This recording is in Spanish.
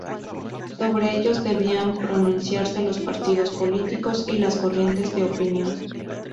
Sobre ellos debían pronunciarse los partidos políticos y las corrientes de opinión.